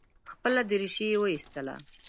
خپله درېشي یې وایستله.